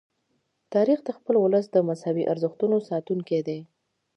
تاریخ د خپل ولس د مذهبي ارزښتونو ساتونکی دی.